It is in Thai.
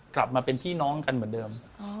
กลับมาเป็นพี่น้องกันเหมือนเดิม